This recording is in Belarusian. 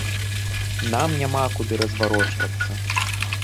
Нам няма куды разварочвацца.